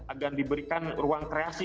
agar diberikan ruang kreasi